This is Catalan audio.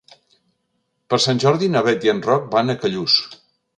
Per Sant Jordi na Bet i en Roc van a Callús.